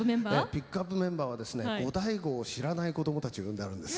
ピックアップメンバーはですねゴダイゴを知らないこどもたちを呼んであるんです。